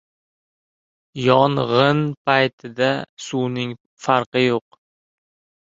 • Yong‘in paytida suvning farqi yo‘q.